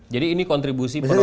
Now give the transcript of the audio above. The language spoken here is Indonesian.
jadi ini kontribusi penodaan agama